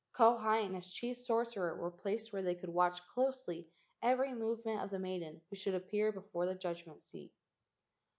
Kauhi and his chief sorcerer were placed where they could watch closely every movement of the maiden who should appear before the judgment seat.